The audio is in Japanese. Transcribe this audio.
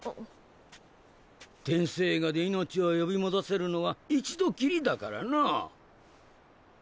天生牙で命を呼び戻せるのは一度きりだからなぁ。